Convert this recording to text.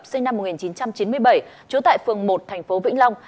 sinh năm một nghìn chín trăm chín mươi bảy trú tại phường một tp vĩnh long